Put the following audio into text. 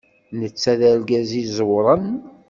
Netta d argaz iẓewren.